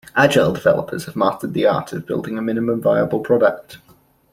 Agile developers have mastered the art of building a minimum viable product.